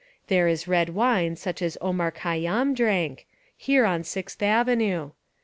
There is red wine such as Omar Khayyam drank, here on Sixth Avenue.